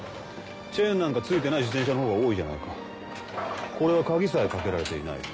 チェーンなんか付いてない自転車の方が多いじゃないかこれは鍵さえ掛けられていない